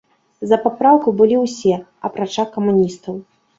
За папраўку былі ўсе, апрача камуністаў.